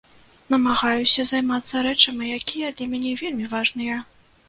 Намагаюся займацца рэчамі, якія для мяне вельмі важныя.